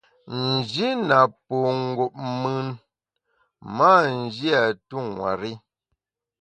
N’ji na po ngup mùn, m’a nji a tu nwer-i.